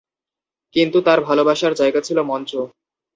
কিন্তু তার ভালোবাসার জায়গা ছিল মঞ্চ।